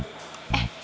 di sini sudah tidak aman